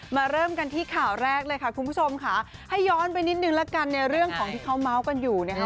เริ่มกันที่ข่าวแรกเลยค่ะคุณผู้ชมค่ะให้ย้อนไปนิดนึงละกันในเรื่องของที่เขาเมาส์กันอยู่นะคะ